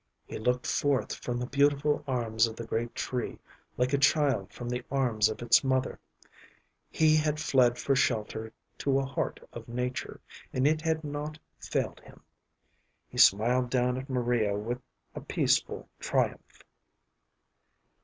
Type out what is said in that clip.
He looked forth from the beautiful arms of the great tree like a child from the arms of its mother. He had fled for shelter to a heart of nature, and it had not failed him. He smiled down at Maria with a peaceful triumph.